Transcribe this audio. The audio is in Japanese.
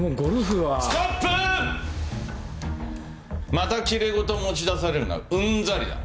またきれい事を持ち出されるのはうんざりだ。